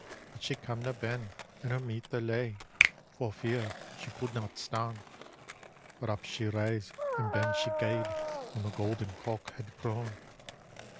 But she camna ben, an' her mither lay; For fear she cudna stan', But up she rase an' ben she gaed Whan the gowden cock hed crawn.